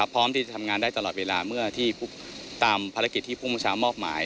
พร้อมที่จะทำงานได้ตลอดเวลาเมื่อที่ตามภารกิจที่ผู้ประชามอบหมาย